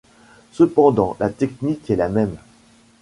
Cependant, la technique est la même.